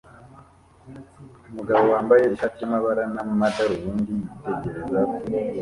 Umugabo wambaye ishati y'amabara n'amadarubindi yitegereza kure